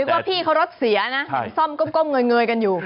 หรือว่าพี่เขารถเสียนะซ่อมก้มเงยกันอยู่